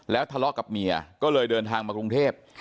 ทะเลาะกับเมียก็เลยเดินทางมากรุงเทพ